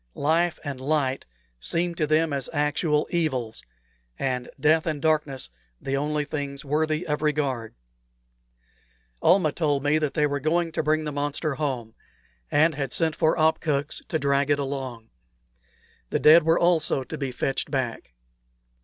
Life and light seemed to them as actual evils, and death and darkness the only things worthy of regard. Almah told me that they were going to bring the monster home, and had sent for opkuks to drag it along. The dead were also to be fetched back.